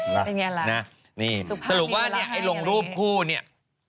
เป็นยังไงล่ะสุภาพดีกว่าล่าให้อย่างไรสรุปว่าเนี่ยลงรูปคู่เนี่ย